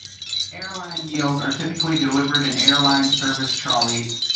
Airline meals are typically delivered in Airline service trolleys.